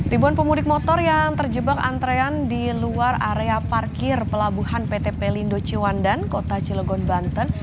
ribuan pemudik motor yang terjebak antrean di luar area parkir pelabuhan pt pelindo ciwandan kota cilegon banten